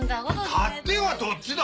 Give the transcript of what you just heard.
勝手はどっちだ！